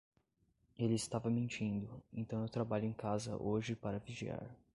Ele estava mentindo, então eu trabalho em casa hoje para vigiar.